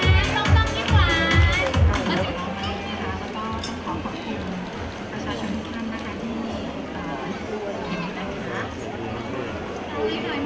เก่งมากชอบมองที่ขวาน